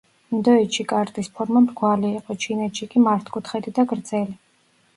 ინდოეთში კარტის ფორმა მრგვალი იყო, ჩინეთში კი მართკუთხედი და გრძელი.